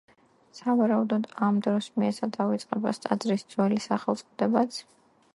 სავარაუდოდ, ამ დროს მიეცა დავიწყებას ტაძრის ძველი სახელწოდებაც.